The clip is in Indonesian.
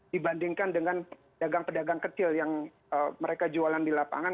dibandingkan dengan pedagang pedagang kecil yang mereka jualan di lapangan